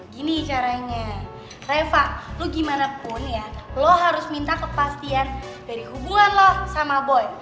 gini caranya reva lo gimana pun ya lo harus minta kepastian dari hubungan lo sama boy